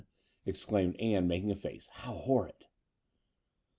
exclaimed Ann, making a face. "How horrid!"